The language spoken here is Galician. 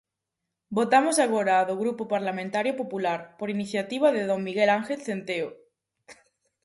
Votamos agora a do Grupo Parlamentario Popular, por iniciativa de don Miguel Ángel Centeo.